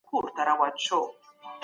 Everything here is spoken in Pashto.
د لویې جرګي غړي څنګه خپله رایه کاروي؟